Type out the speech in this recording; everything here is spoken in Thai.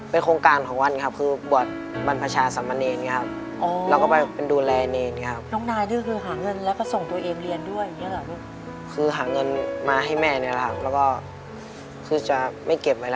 เป็นโครงการของวันครับคือบวชบัญพชาสมเนรย์ครับ